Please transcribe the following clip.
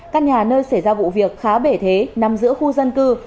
căn nhà nơi xảy ra vụ việc khá bể thế nằm giữa khu dân cư